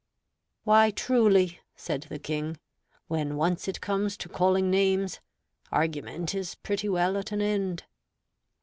"Why, truly" (said the King), "when once it comes to calling names, argument is pretty well at an end."